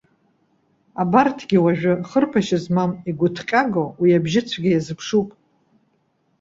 Абарҭгьы уажәы, хырԥашьа змам, игәыҭҟьагоу уи абжьыцәгьа иазыԥшуп.